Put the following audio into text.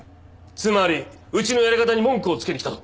つまりうちのやり方に文句をつけに来たと？